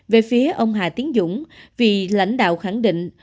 về phía ông hà tiến dũng vì lãnh đạo khẳng định